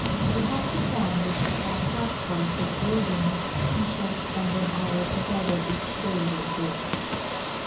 We have begun the Chautauqua Course of Reading and shall spend an hour together each day with this.